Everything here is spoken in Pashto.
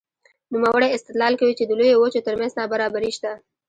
نوموړی استدلال کوي چې د لویو وچو ترمنځ نابرابري شته.